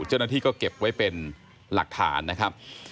เจ้าหน้าที่ก็เก็บไว้เป็นหลักฐานนะครับ